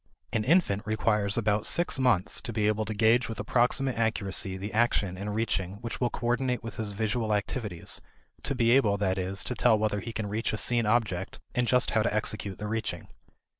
An infant requires about six months to be able to gauge with approximate accuracy the action in reaching which will coordinate with his visual activities; to be able, that is, to tell whether he can reach a seen object and just how to execute the reaching.